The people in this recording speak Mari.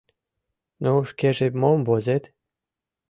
— Ну, шкеже мом возет?